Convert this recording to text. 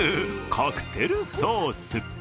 カクテルソース。